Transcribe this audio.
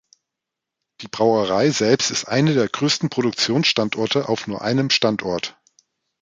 Die Brauerei selbst ist eine der größten Produktionsstandorte auf nur einem Standort.